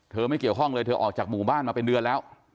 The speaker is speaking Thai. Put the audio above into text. ไม่เกี่ยวข้องเลยเธอออกจากหมู่บ้านมาเป็นเดือนแล้ว